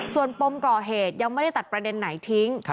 ส่วนปมก่อเหตุยังไม่ได้ตัดประเด็นไหนทิ้ง